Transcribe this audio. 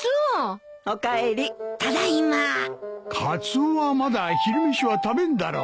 カツオはまだ昼飯は食べんだろ？